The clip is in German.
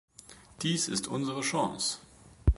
Dies ist unsere Chance!